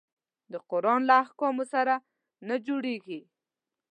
د قرآن له احکامو سره نه جوړیږي.